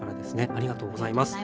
ありがとうございます。